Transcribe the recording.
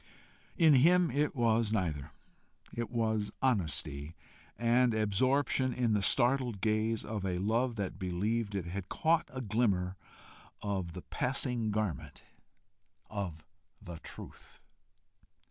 In him it was neither: it was honesty and absorption in the startled gaze of a love that believed it had caught a glimmer of the passing garment of the Truth.